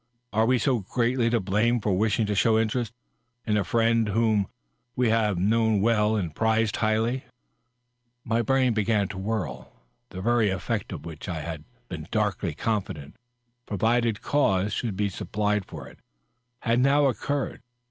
Are we so greatly to blame for wishing to show interest in a friend whom we hSve known well and prized highly?" DOUGLAS DUANK 601 My brain had begun to whirl ;.. the very effect of which I had been darkly confident^ provided cause should be supplied for it^ had now occurred.